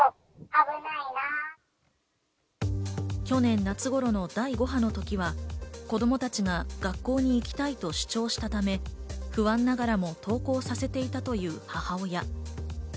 去年夏頃の第５波の時には子供たちが学校に行きたいと主張したため、不安ながらも登校させていたという母親。